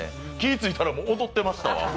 ついたら踊ってましたわ。